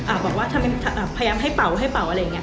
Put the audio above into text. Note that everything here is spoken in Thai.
บอกว่าทำไมอ่าพยายามให้เป่าให้เป่าอะไรอย่างเง